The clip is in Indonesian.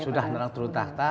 sudah turun tahta